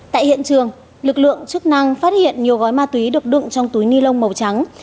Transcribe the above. tại hiện trường lực lượng chức năng phát hiện nhiều gói ma túy được đựng trong túi ni lông màu trắng